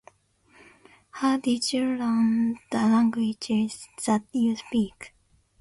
How did you learn the languages that you speak?